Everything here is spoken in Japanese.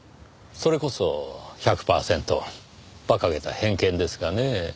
それこそ１００パーセント馬鹿げた偏見ですがねぇ。